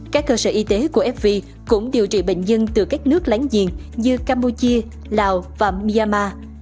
các cơ sở y tế của fv cũng điều trị bệnh nhân từ các nước láng giềng như campuchia lào và myanmar